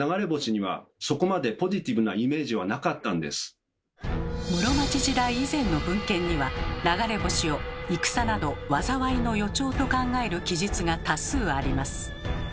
でも室町時代以前の文献には流れ星を「戦など災いの予兆」と考える記述が多数あります。